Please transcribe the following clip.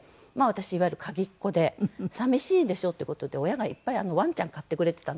私いわゆる鍵っ子で寂しいでしょっていう事で親がいっぱいワンちゃん飼ってくれてたんですね。